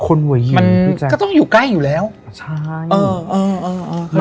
หัวหินมันก็ต้องอยู่ใกล้อยู่แล้วใช่เออเออเออ